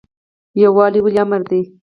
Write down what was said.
یووالی ولې امر دی؟